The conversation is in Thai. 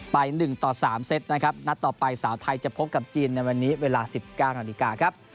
ไปหนึ่งต่อสามเซตนะครับนัดต่อไปสาวไทยจะพบกับจีนในวันนี้เวลาสิบเก้าหน้าวิการครับ